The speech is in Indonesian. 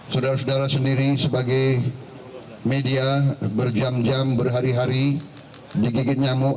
saudara saudara sendiri sebagai media berjam jam berhari hari digigit nyamuk